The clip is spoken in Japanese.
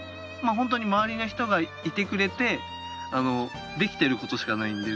本当に周りの人がいてくれてできていることしかないので。